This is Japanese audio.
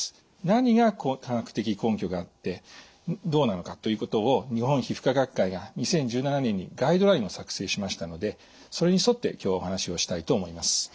何が科学的根拠があってどうなのかということを日本皮膚科学会が２０１７年にガイドラインを作成しましたのでそれに沿って今日はお話をしたいと思います。